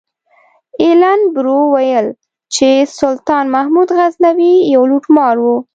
ایلن برو ویل چې سلطان محمود غزنوي یو لوټمار و.